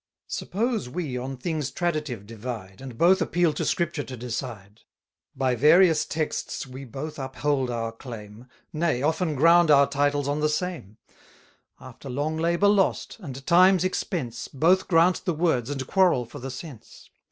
Suppose we on things traditive divide, And both appeal to Scripture to decide; By various texts we both uphold our claim, Nay, often ground our titles on the same: After long labour lost, and time's expense, 200 Both grant the words, and quarrel for the sense.